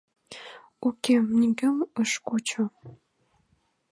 Уке, нигӧм ыш кучо.